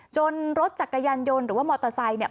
รถจักรยานยนต์หรือว่ามอเตอร์ไซค์เนี่ย